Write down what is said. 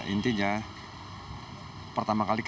intinya pertama kali kita